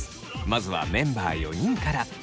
まずはメンバー４人から。